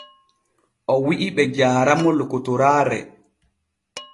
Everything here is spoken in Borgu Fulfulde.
O wi’i be jaara mo lokotoraare.